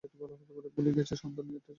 ভুলে গেছ সন্তান নেয়াটা ছিল পার্টির সিদ্ধান্ত?